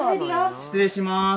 失礼します。